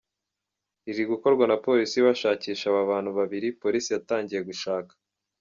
ririgukorwa na polisi bashakisha aba bantu babiri, polisi yatangiye gushaka.